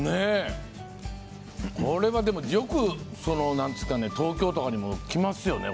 これはでもよく東京とかにもきますよね。